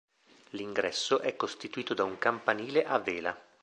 L'ingresso è costituito da un campanile a vela.